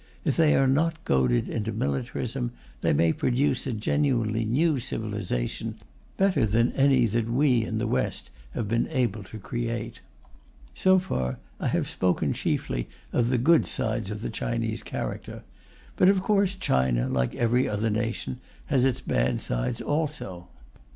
If they are not goaded into militarism, they may produce a genuinely new civilization, better than any that we in the West have been able to create. So far, I have spoken chiefly of the good sides of the Chinese character; but of course China, like every other nation, has its bad sides also.